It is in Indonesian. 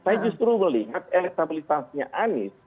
saya justru melihat elektabilitasnya anies